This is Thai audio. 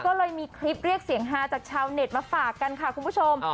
ก็เลยมีคลิปเรียกเสียงฮาจากชาวเน็ตมาฝากกันค่ะคุณผู้ชม